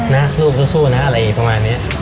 นะลูกก็สู้นะอะไรแบบนี้